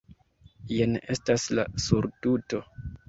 jen estas la surtuto!